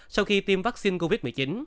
sau khi tiêm vaccine covid một mươi chín